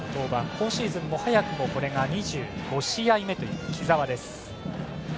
今シーズンも、早くもこれが２５試合目という木澤です。